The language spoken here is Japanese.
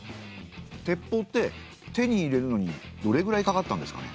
鉄砲って手に入れるのにどれぐらいかかったんですかね？